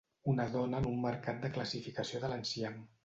Una dona en un mercat de classificació de l'enciam.